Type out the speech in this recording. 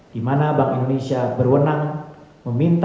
di mana bank indonesia berwenang meminta